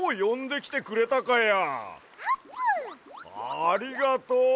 ありがとう！